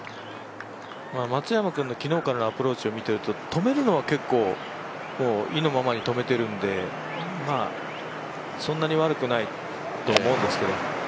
松山君の昨日からのアプローチを見ていると止めるのは結構、意のままに止めているので、そんなに悪くないと思うんですけど。